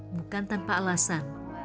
bukan tanpa alasan